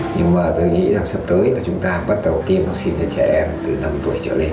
nhưng mà tôi nghĩ rằng sắp tới là chúng ta bắt đầu tiêm vaccine cho trẻ em từ năm tuổi trở lên